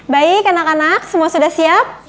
baik anak anak semua sudah siap